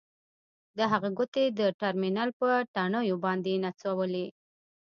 د هغه ګوتې د ټرمینل په تڼیو باندې نڅولې